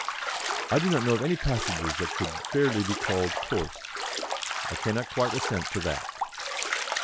"I do not know of any passages that could fairly be called coarse." "I cannot quite assent to that."